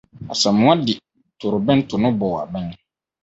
Asamoah di torobɛnto no bɔɔ abɛn.